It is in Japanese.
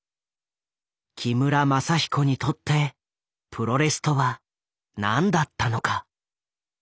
木村政彦にとってプロレスとは何だったのか。